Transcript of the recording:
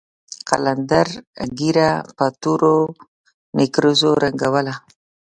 قلندر ږيره په تورو نېکريزو رنګوله.